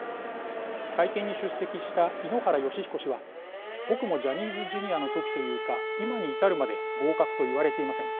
会見に出席した井ノ原快彦氏は僕もジャニーズＪｒ．の時というか、今に至るまで合格と言われていません。